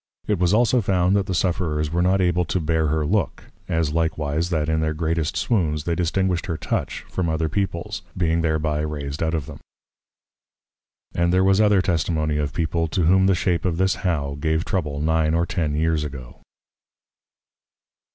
It was also found that the Sufferers were not able to bear her Look, as likewise, that in their greatest Swoons, they distinguished her Touch from other Peoples, being thereby raised out of them. And there was other Testimony of People to whom the shape of this How, gave trouble nine or ten years ago.